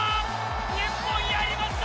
日本、やりました！